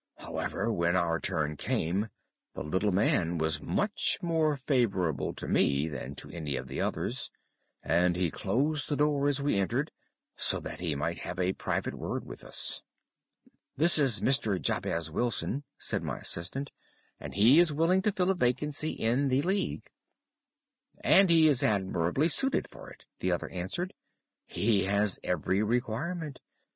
However, when our turn came the little man was much more favourable to me than to any of the others, and he closed the door as we entered, so that he might have a private word with us. "'This is Mr. Jabez Wilson,' said my assistant, 'and he is willing to fill a vacancy in the League.' "'And he is admirably suited for it,' the other answered. 'He has every requirement.